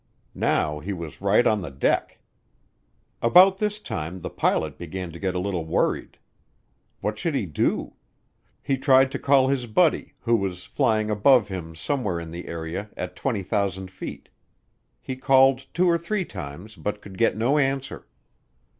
Now he was right on the deck. About this time the pilot began to get a little worried. What should he do? He tried to call his buddy, who was flying above him somewhere in the area at 20,000 feet. He called two or three times but could get no answer.